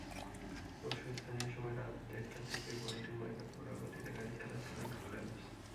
পরশু স্থানীয় সময় রাত দেড়টার দিকে বাল্টিমোরে বেপরোয়া গতিতে গাড়ি চালাচ্ছিলেন ফেল্প্স।